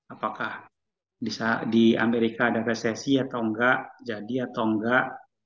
apakah di amerika ada resesi atau enggak jadi atau enggak